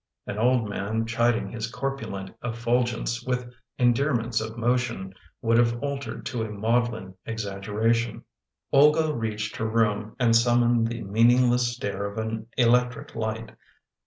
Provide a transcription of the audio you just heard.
An old man, chiding his corpulent effulgence with endearments of motion, would have altered to a maudlin exaggeration. Olga reached her room and summoned the meaningless stare of an electric light.